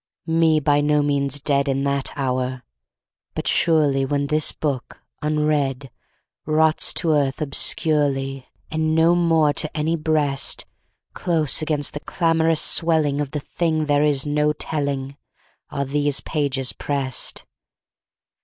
Me, by no means dead In that hour, but surely When this book, unread, Rots to earth obscurely, And no more to any breast, Close against the clamorous swelling Of the thing there is no telling, Are these pages pressed!